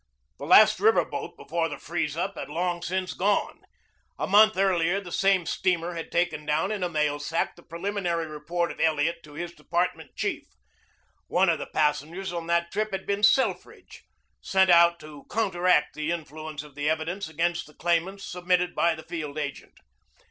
The last river boat before the freeze up had long since gone. A month earlier the same steamer had taken down in a mail sack the preliminary report of Elliot to his department chief. One of the passengers on that trip had been Selfridge, sent out to counteract the influence of the evidence against the claimants submitted by the field agent.